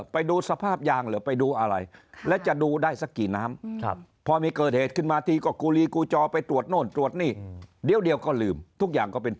ไปดูอาหารเหรอไปดูเครื่อง